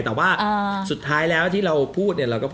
แต่ว่าสุดท้ายแล้วที่เราพูดเนี่ย